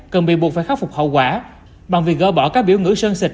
cần bị buộc phải khắc phục hậu quả bằng việc gỡ bỏ các biểu ngữ sơn xịt